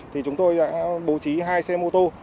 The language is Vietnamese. thì chúng tôi đã bố trí hai xe mua ô tô